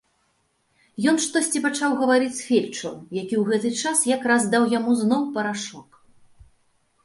Ён штосьці пачаў гаварыць фельчару, які ў гэты час якраз даў яму зноў парашок.